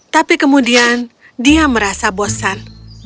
tapi kemudian dia merasa bosan